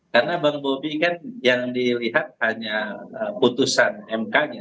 karena bang bobi kan yang dilihat hanya putusan mk nya